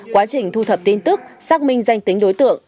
quá trình thu thập tin tức xác minh danh tính đối tượng